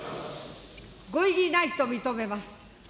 ご異議ないと認めます。